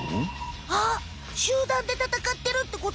あっ集団で戦ってるってこと？